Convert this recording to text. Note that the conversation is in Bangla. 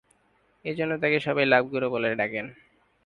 এজন্য তাকে সবাই 'লাভ গুরু' বলে ডাকেন।